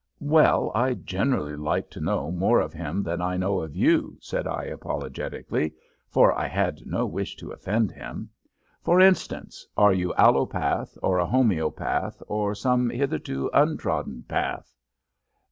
"Well, I generally like to know more of him than I know of you," said I, apologetically, for I had no wish to offend him. "For instance, are you allopath, or a homoeopath, or some hitherto untrodden path?"